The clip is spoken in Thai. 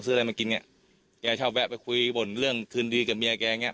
ซื้ออะไรมากินไงแกชอบแวะไปคุยบ่นเรื่องคืนดีกับเมียแกเนี้ย